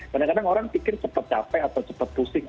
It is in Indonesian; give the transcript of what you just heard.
kadang kadang orang pikir cepat capek atau cepat pusing